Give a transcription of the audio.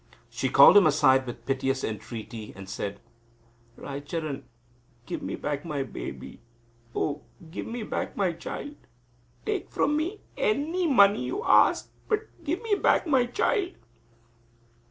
She called him aside with piteous entreaty and said: "Raicharan, give me back my baby. Oh! give me back my child. Take from me any money you ask, but give me back my child!"